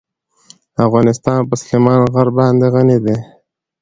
افغانستان په سلیمان غر باندې غني دی.